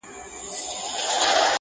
o خر په غره کي بوعلي دئ!